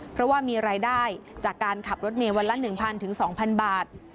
เพราะว่ามีรายได้จากการขับรถเมย์วันละ๑๐๐๒๐๐บาท